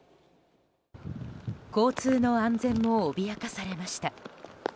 交通の安全も脅かされました。